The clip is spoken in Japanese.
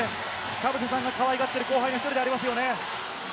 田臥さんがかわいがっている後輩の１人でもありますよね。